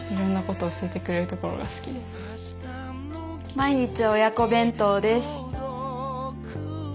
「毎日親子弁当」です。